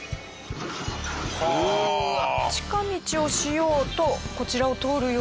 近道をしようとこちらを通るようなんですが。